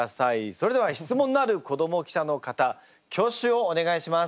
それでは質問のある子ども記者の方挙手をお願いします。